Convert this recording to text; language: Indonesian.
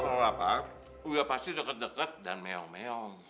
kalau lapar udah pasti deket deket dan meyong meyong